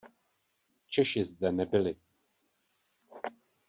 Češi zde nebyli.